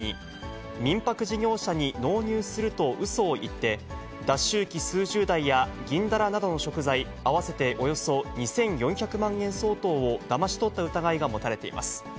塚本勉容疑者ら４人はおととし、卸売り会社を装い、業者３社に民泊事業者に納入するとうそを言って、脱臭機数十台や銀ダラなどの食材合わせておよそ２４００万円相当をだまし取った疑いが持たれています。